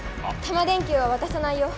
タマ電Ｑはわたさないよ。